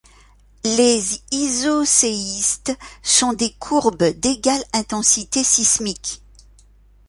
Les isoséistes sont des courbes d'égale intensité sismique.